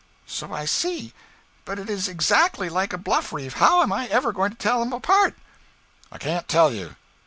'So I see. But it is exactly like a bluff reef. How am I ever going to tell them apart?' 'I can't tell you.